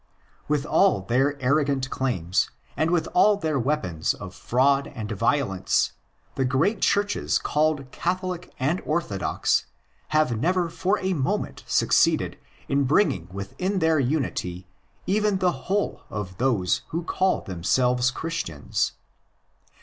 With all their arrogant claims, and with all their weapons of fraud and violence, the great Churches called Catholic and Orthodox have never for a moment succeeded in bringing within their unity even the whole of those who call themselves Christians.